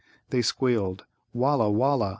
They squealed, "Walla, walla!"